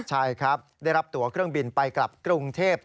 ใช่ครับได้รับตัวเครื่องบินไปกลับกรุงเทพ